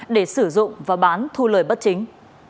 để sử dụng và bán thu lời bất chính